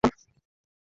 Please, জনাব।